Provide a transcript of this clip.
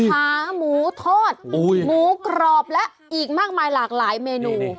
ขาหมูทอดหมูกรอบและอีกมากมายหลากหลายเมนู